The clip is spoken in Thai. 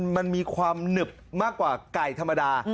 มันมีความหนึบมากกว่าไก่ธรรมดา